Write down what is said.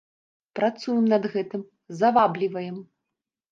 Працуем над гэтым, завабліваем.